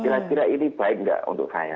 kira kira ini baik nggak untuk saya